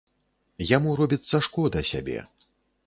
Яму робіцца шкода сябе.